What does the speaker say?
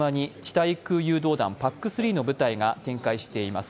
対空誘導弾、ＰＡＣ３の部隊が展開しています。